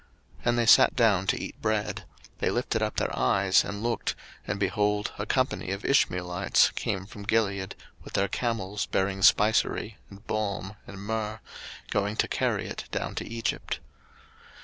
01:037:025 And they sat down to eat bread: and they lifted up their eyes and looked, and, behold, a company of Ishmeelites came from Gilead with their camels bearing spicery and balm and myrrh, going to carry it down to Egypt.